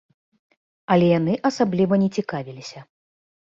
Але яны асабліва не цікавіліся.